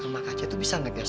eh rumah kaca tuh bisa nggak gus